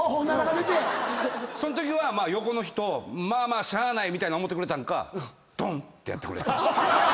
そんときは横の人しゃあないみたいに思ってくれたんかドンってやってくれて。